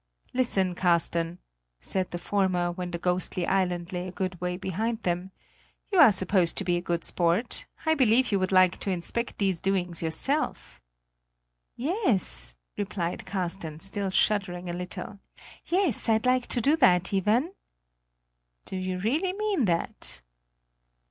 "Listen, Carsten," said the former, when the ghostly island lay a good way behind him, "you are supposed to be a good sport; I believe you would like to inspect these doings yourself." "Yes," replied Carsten, still shuddering a little. "Yes, I'd like to do that, Iven." "Do you really mean that?